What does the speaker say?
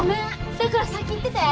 だから先行ってて。